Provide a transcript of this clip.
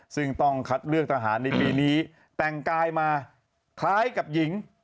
ซึ่งต้องคัดเลือกทหารในปีนี้แต่งกายมาคล้ายกับหญิง